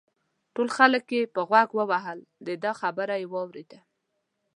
ټول خلک یې په غوږ ووهل دده خبره یې واورېده.